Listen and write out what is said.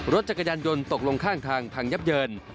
รถจักรยานยนต์ตกลงข้างทางพังยับเยิน